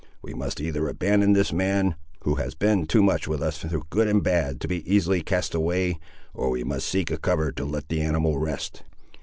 We must either abandon this man, who has been too much with us through good and bad to be easily cast away, or we must seek a cover to let the animal rest."